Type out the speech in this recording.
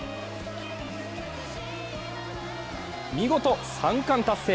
見事３冠達成。